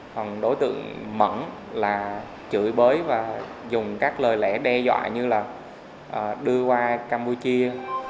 còn đối tượng mẫn là chửi bới và dùng các lời lẽ đe dọa như là đưa qua campuchia